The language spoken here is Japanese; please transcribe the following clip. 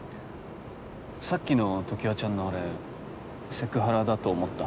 さっきの常盤ちゃんのあれセクハラだと思った？